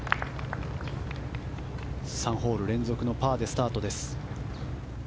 ３ホール連続のパーでスタートです。